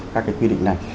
các cái quy định này